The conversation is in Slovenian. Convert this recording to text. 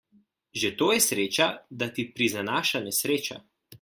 Že to je sreča, da ti prizanaša nesreča.